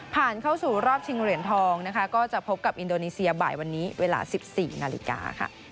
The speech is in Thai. เข้าสู่รอบชิงเหรียญทองนะคะก็จะพบกับอินโดนีเซียบ่ายวันนี้เวลา๑๔นาฬิกาค่ะ